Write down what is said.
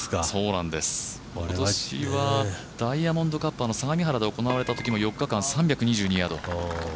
今年はダイヤモンドカップ、相模原で行われたときも４日間３２２ヤード。